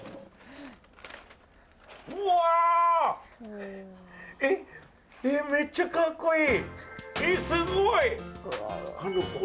うーわーめっちゃかっこいい。